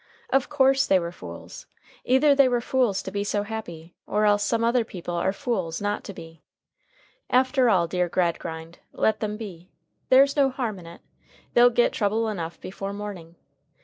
Of course they were fools! Either they were fools to be so happy, or else some other people are fools not to be. After all, dear Gradgrind, let them be. There's no harm in it. They'll get trouble enough before morning.